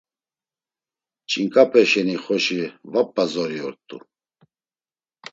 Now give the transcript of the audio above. Ç̌inǩape şeni xoşi va p̌a zori ort̆u.